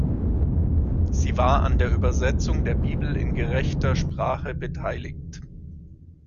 Sie war an der Übersetzung der Bibel in gerechter Sprache beteiligt.